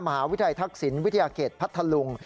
มหาวิทยาลัยทักษิณวิทยาเขตพัทธลุง